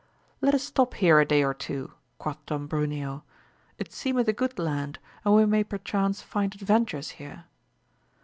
Let us stop here a day or two, quoth Don Bruneo, it seemeth a good land, and we may perchance find adventures here.